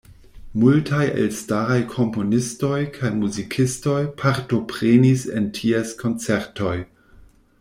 Multaj elstaraj komponistoj kaj muzikistoj partoprenis en ties koncertoj.